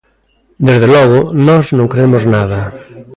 Desde logo, nós non cremos nada.